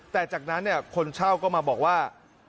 แต่จากนั้นคนเช่าก็มาบอกว่า